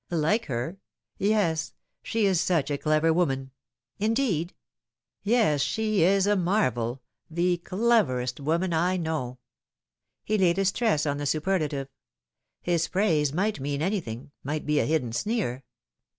" Like her ? Yes ; she is such a clever woman." "Indeed! 1 ^" Yes, she is a marvel the cleverest woman I know." He laid a stress on the superlative. His praise might mean anything might be a hidden sneer.